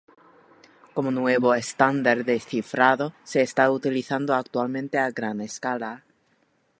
Como nuevo estándar de cifrado, se está utilizando actualmente a gran escala.